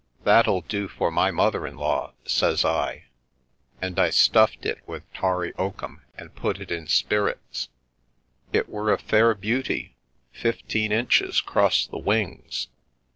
'That'll do for my mother in law/ says I, and I stuffed it with tarry oakum and put it in spirits. It were a fair beauty, fifteen inches 'cross the wings.